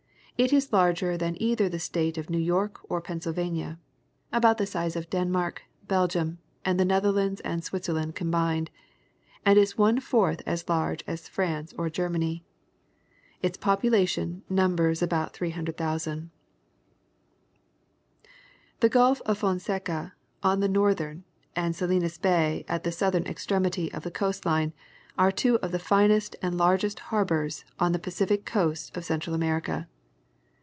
It is larger than either the State of New York or Pennsylvania, about the size of Denmark, Belgium, the Netherlands and Switzerland combined, and is one fourth as large as France or Germany. Its population numbers about 300,000. The Gulf of Fonseca, at the northern, and Salinas Bay at the southern extremity of the coast line are two of the finest and largest harbors on the Pacific coast of Central America.